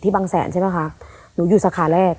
บางแสนใช่ป่ะคะหนูอยู่สาขาแรก